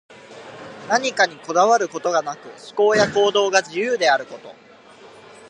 何かにこだわることがなく、思考や行動が自由であること。